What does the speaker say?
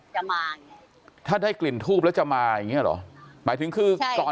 จะมาถ้าได้กลิ่นทูปแล้วจะมาอย่างนี้หรอหมายถึงคือตอน